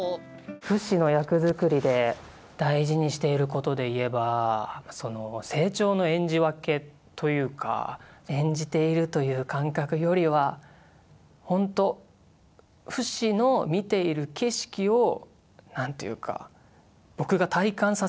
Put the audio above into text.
フシの役作りで大事にしていることでいえば成長の演じ分けというか演じているという感覚よりはほんとフシの見ている景色をなんというか僕が体感させてもらっているというか。